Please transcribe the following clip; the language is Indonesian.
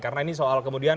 karena ini soal kemudian